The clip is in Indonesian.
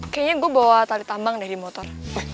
kayaknya gue bawa tali tambang dari motor